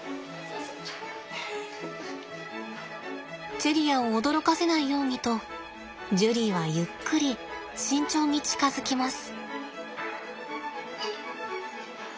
チェリアを驚かせないようにとジュリーはゆっくり慎重に近づきます。